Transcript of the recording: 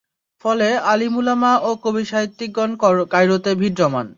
ফলে আলিম-উলামা ও কবি-সাহিত্যিকগণ কায়রোতে ভিড় জমান।